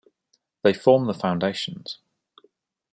They form the foundations.